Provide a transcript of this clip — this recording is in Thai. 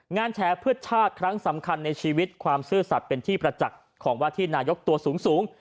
แฉเพื่อชาติครั้งสำคัญในชีวิตความซื่อสัตว์เป็นที่ประจักษ์ของว่าที่นายกตัวสูง